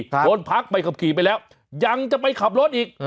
โดนพักใบขับขี่ไปแล้วยังจะไปขับรถอีก